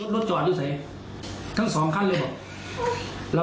ร้ายมากเลยครับประมาณเท่าไหร่ครับ